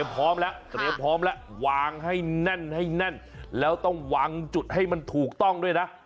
พร้อมแล้ววางให้นั่นแล้วต้องวางจุดให้มันถูกต้องด้วยนะ